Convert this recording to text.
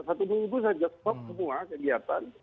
satu minggu saja stop semua kegiatan